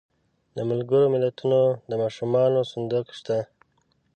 د ملګرو ملتونو د ماشومانو صندوق شته.